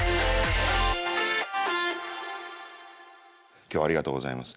今日はありがとうございます。